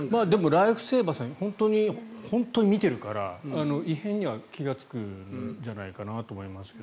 ライフセーバーさんは本当に見ているから異変には気がつくんじゃないかなと思いますが。